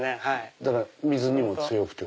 だから水にも強い。